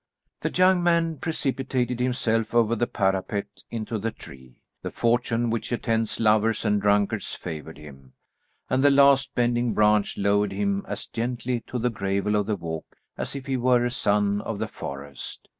The young man precipitated himself over the parapet into the tree. The fortune which attends lovers and drunkards favoured him, and the last bending branch lowered him as gently to the gravel of the walk as if he were a son of the forest.